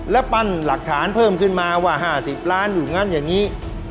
และปั้นหลักฐานเพิ่มขึ้นมาว่า๕๐ล้านอยู่งั้นอย่างนี้